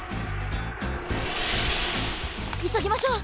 いそぎましょう！